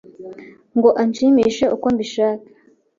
ngo anshimishe uko mbishaka,